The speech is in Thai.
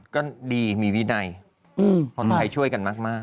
ก็ดีมีวินัยคนไทยช่วยกันมาก